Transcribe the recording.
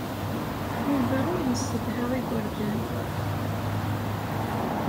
Yuba ur yessedha igerdan.